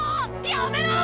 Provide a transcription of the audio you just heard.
やめろー！